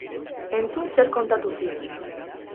Entzun zer kontatu zigun!